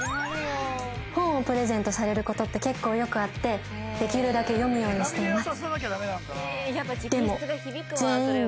本をプレゼントされる事って結構よくあってできるだけ読むようにしています。